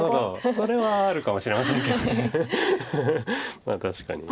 それはあるかもしれませんけどまあ確かに。